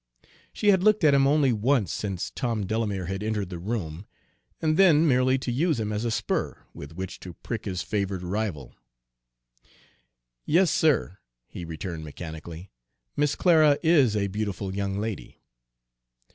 She had looked at him only once since Tom Delamere had entered the room, and then merely to use him as a spur with which to prick his favored rival. "Yes, sir," he returned mechanically, "Miss Clara is a beautiful young lady."